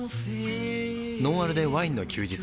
「ノンアルでワインの休日」